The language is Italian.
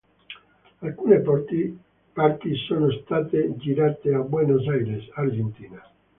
Alcune parti sono state girate a Buenos Aires, Argentina.